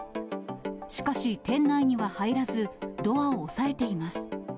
しかし店内には入らず、ドアを押さえています。